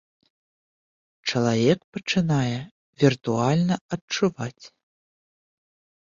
Чалавек пачынае віртуальна адчуваць.